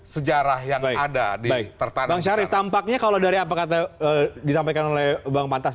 sejarah yang ada di tanah bang syarif tampaknya kalau dari apa kata disampaikan oleh bang pantas